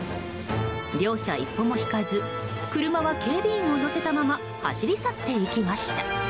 両者一歩も引かず車は警備員を乗せたまま走り去っていきました。